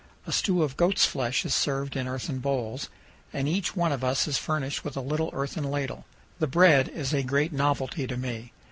A stew of goat's flesh is served in earthen bowls, and each one of us is furnished with a little earthen ladle. The bread is a great novelty to me.